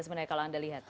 sebenarnya kalau anda lihat